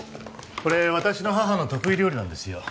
これ私の母の得意料理なんですよ